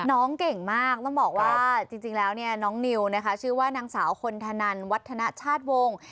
น้องเก่งมากต้องบอกว่าจริงแล้วเนี่ยน้องนิวนะคะชื่อว่านางสาวคนธนันวัฒนชาติวงศ์